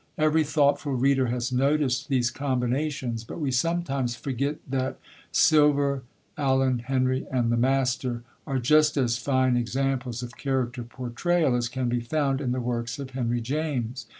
Every thoughtful reader has noticed these combinations; but we sometimes forget that Silver, Alan, Henry, and the Master are just as fine examples of character portrayal as can be found in the works of Henry James.